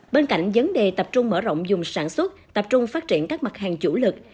bên cạnh vấn đề tập trung mở rộng dùng sản xuất tập trung phát triển các mặt hàng chủ lực